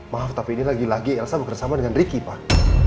maaf tapi ini lagi lagi elsa bekerja sama dengan ricky pak